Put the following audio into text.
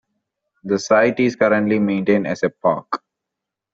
The site is currently maintained as a park.